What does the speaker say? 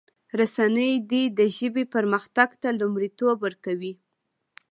رسنی دي د ژبې پرمختګ ته لومړیتوب ورکړي.